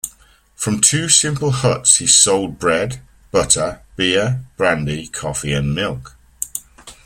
From two simple huts he sold bread, butter, beer, brandy, coffee and milk.